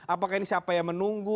apakah ini siapa yang menunggu